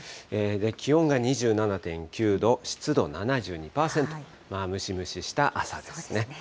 気温が２７．９度、湿度７２％、ムシムシした朝ですね。